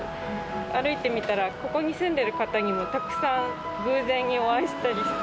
歩いてみたら、ここに住んでる方にも、たくさん偶然にお会いしたりして。